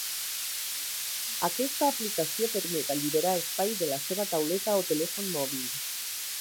Aquesta aplicació permet alliberar espai de la seva tauleta o telèfon mòbil.